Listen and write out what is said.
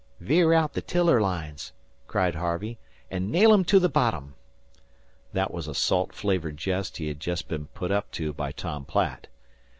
"Veer out the tiller lines," cried Harvey, "and nail 'em to the bottom!" That was a salt flavoured jest he had been put up to by Tom Platt.